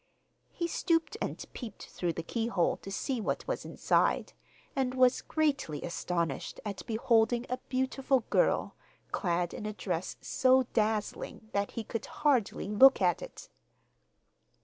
He stooped and peeped through the keyhole to see what was inside, and was greatly astonished at beholding a beautiful girl, clad in a dress so dazzling that he could hardly look at it.